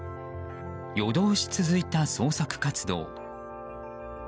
夜通し続いた捜索活動。